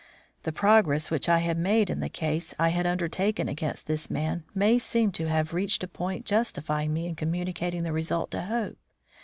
The progress which I had made in the case I had undertaken against this man may seem to have reached a point justifying me in communicating the result to Hope.